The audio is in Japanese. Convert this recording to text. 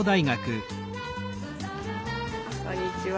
こんにちは。